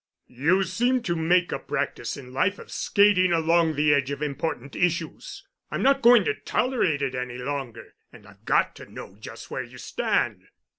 "You seem to make a practice in life of skating along the edge of important issues. I'm not going to tolerate it any longer, and I've got to know just where you stand."